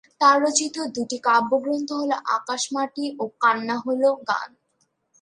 তার রচিত দুটি কাব্যগ্রন্থ হল 'আকাশ মাটি' ও 'কান্না হল গান'।